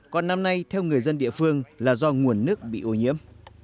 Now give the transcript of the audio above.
còn năm nay theo người dân địa phương là do nguồn nước bị ô nhiễm